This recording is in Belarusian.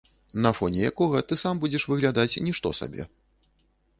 На фоне якога ты сам будзеш выглядаць нішто сабе.